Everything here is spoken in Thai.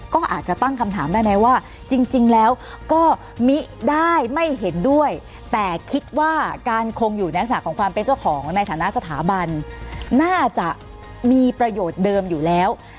ก็อาจจะตั้งคำถามได้ไหมว่าจริงแล้วก็มิได้ไม่เห็นด้วยแต่คิดว่าการคงอยู่ในลักษณะของความเป็นเจ้าของในฐานะสถาบันน่าจะมีประโยชน์เดิมอยู่แล้ว